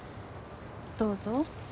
どうぞ。